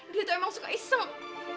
dia tuh emang suka iseng